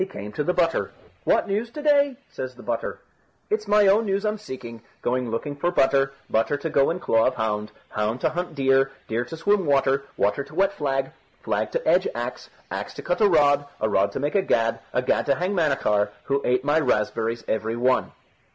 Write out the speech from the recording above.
He came to the butter. "What news to day?" says the butter. "It's my own news I'm seeking. Going looking for butter, butter to go in claw of hound, hound to hunt deer, deer to swim water, water to wet flag, flag to edge axe, axe to cut a rod, a rod to make a gad, a gad to hang Manachar, who ate my raspberries every one."